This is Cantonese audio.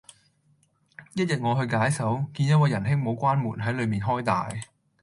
一日我去解手,見一位仁兄冇關門系裏面開大